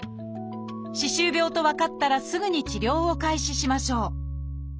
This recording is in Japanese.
歯周病と分かったらすぐに治療を開始しましょう